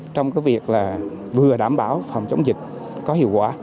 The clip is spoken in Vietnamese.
trong cái việc là vừa đảm bảo phòng chống dịch có hiệu quả